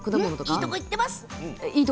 いいとこいってます。